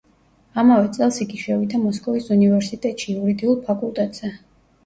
ამავე წელს იგი შევიდა მოსკოვის უნივერსიტეტში, იურიდიულ ფაკულტეტზე.